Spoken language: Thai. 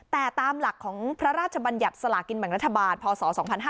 แต่ตามหลักของพระราชบัญญัติสลากินแบ่งรัฐบาลพศ๒๕๕๙